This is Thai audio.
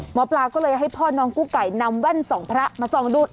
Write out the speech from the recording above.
หมอปลาก็เลยให้พ่อน้องกู้ไก่นำแว่นสองพระมาส่องดู